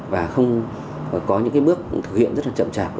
và không có những bước thực hiện rất chậm chạp